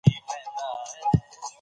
موږ تر اوسه پورې ډېرې غلطۍ اصلاح کړې دي.